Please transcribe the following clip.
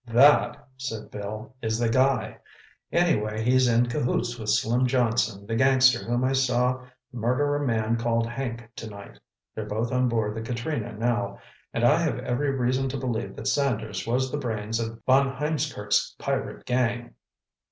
"That," said Bill, "is the guy. Anyway, he's in cahoots with Slim Johnson, the gangster whom I saw murder a man called Hank tonight. They're both on board the Katrina now, and I have every reason to believe that Sanders was the brains of von Hiemskirk's pirate gang.